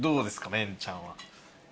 メンちゃんは。